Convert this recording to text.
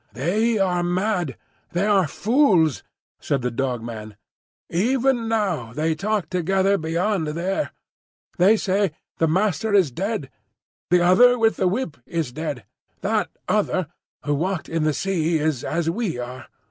"They are mad; they are fools," said the Dog man. "Even now they talk together beyond there. They say, 'The Master is dead. The Other with the Whip is dead. That Other who walked in the Sea is as we are.